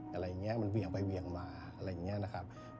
อะไรอย่างนี้มันเหวี่ยงไปเหวี่ยงมาอะไรอย่างนี้นะครับ